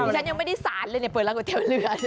ฉันยังไม่ได้สารเลยเปิดร้านก๋วยเตี๋ยวเรือ